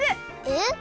えっ？